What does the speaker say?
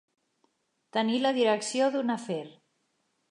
Tenir la direcció d'un afer.